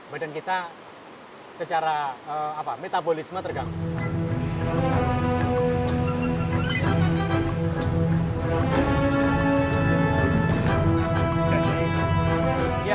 badan kita secara metabolisme terganggu